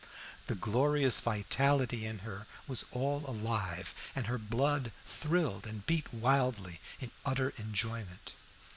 The glorious vitality in her was all alive, and her blood thrilled and beat wildly in utter enjoyment.